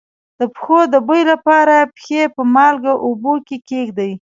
د پښو د بوی لپاره پښې په مالګه اوبو کې کیږدئ